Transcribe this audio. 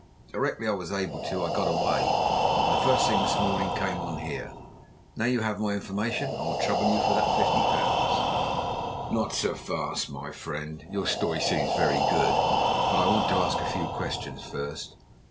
Directly I was able to I got away, and first thing this morning came on here. Now you have my information, and I'll trouble you for that fifty pound." "Not so fast, my friend. Your story seems very good, but I want to ask a few questions first.